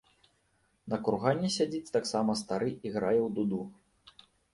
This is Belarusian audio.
На кургане сядзіць таксама стары і грае ў дуду.